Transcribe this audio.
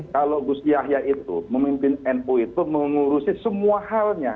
kalau gus yahya itu memimpin nu itu mengurusi semua halnya